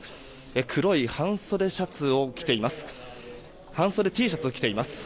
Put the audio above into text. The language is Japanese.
黒い半袖Ｔシャツを着ています。